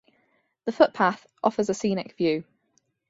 The footpath offers a scenic view.